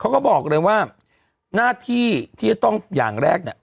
เขาก็บอกเลยว่าหน้าที่ที่จะต้องอย่างแรกเนี่ย